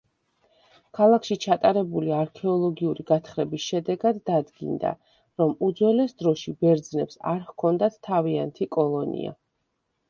ქალაქში ჩატარებული არქეოლოგიური გათხრების შედეგად დადგინდა რომ, უძველეს დროში ბერძნებს აქ ჰქონდათ თავიანთი კოლონია.